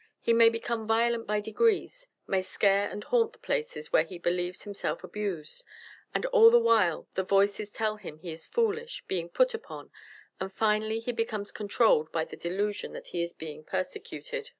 He may become violent by degrees, may scare and haunt the places where he believes himself abused; and all the while the voices tell him he is foolish, being put upon, and finally he becomes controlled by the delusion that he is being persecuted.